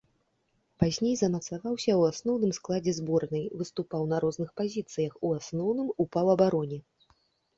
Пазней замацаваўся ў асноўным складзе зборнай, выступаў на розных пазіцыях, у асноўным у паўабароне.